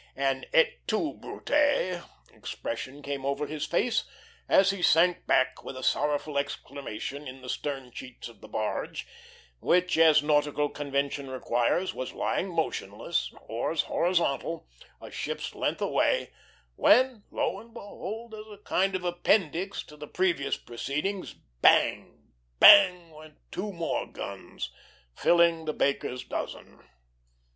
An "Et tu, Brute" expression came over his face, as he sank back with a sorrowful exclamation in the stern sheets of the barge, which, as nautical convention requires, was lying motionless, oars horizontal, a ship's length away; when, lo and behold, as a kind of appendix to the previous proceedings, bang! bang! went two more guns, filling the baker's dozen.